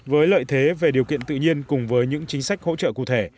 với lợi thế về điều kiện tự nhiên cùng với những chính sách hỗ trợ cụ thể